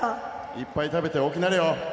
いっぱい食べて大きくなれよ！